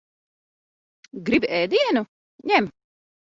Gribi ēdienu? Ņem.